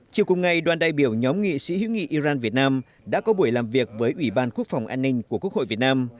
chiều cùng ngày đoàn đại biểu nhóm nghị sĩ hữu nghị iran việt nam đã có buổi làm việc với ủy ban quốc phòng an ninh của quốc hội việt nam